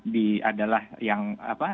di adalah yang apa